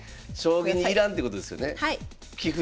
将棋にいらんってことですよね？